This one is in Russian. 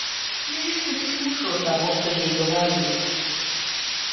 Невеста не слушала того, что ей говорили.